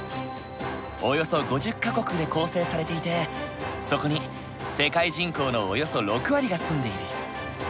およそ５０か国で構成されていてそこに世界人口のおよそ６割が住んでいる。